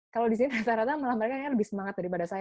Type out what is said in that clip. kalau disini rata rata malah mereka lebih semangat dari pasien